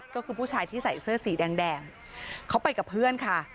ก็คือผู้ชายที่ใส่เสื้อสีแดงเขาไปกับเพื่อนค่ะ